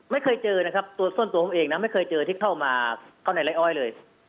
ไม่เคยเจอนะครับตัวส้นตัวผมเองนะไม่เคยเจอที่เข้ามาเข้าในไร้อ้อยเลย